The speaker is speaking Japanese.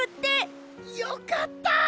よかった！